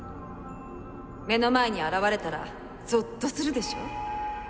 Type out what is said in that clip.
目の前に現れたらぞっとするでしょ？